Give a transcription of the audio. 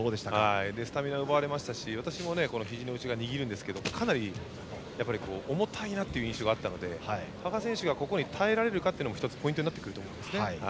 スタミナは奪われましたし私もひじの内側を握るんですけどかなり重たいなという印象があったので羽賀選手がここに耐えられるかもポイントになると思います。